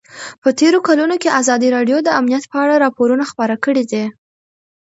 په تېرو کلونو کې ازادي راډیو د امنیت په اړه راپورونه خپاره کړي دي.